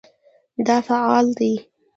دا فعل دی